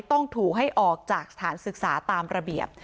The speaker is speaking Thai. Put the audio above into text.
ต้องถูกให้ออกจากสถานศึกษาตามระเบียบ